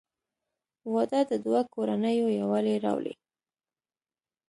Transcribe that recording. • واده د دوه کورنیو یووالی راولي.